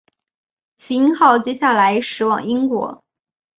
耆英号接下来驶往英国。